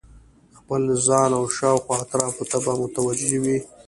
د خپل ځان او شاوخوا اطرافو ته به متوجه وي